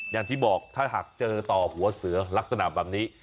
อย่างที่บอกถ้าหากเจอต่อหัวเสือลักษณะแบบนี้